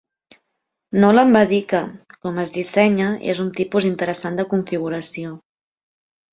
Nolan va dir que, com es dissenya, és un tipus interessant de configuració.